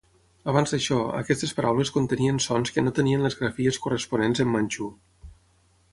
Abans d'això, aquestes paraules contenien sons que no tenien les grafies corresponents en manxú.